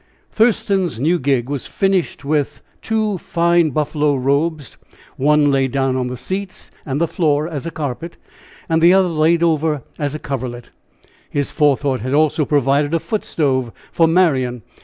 Thurston's new gig was furnished with two fine buffalo robes one laid down on the seats and the floor as a carpet, and the other laid over as a coverlet. His forethought had also provided a foot stove for Marian.